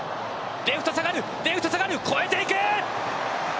レフト下がる、レフト下がる越えていく！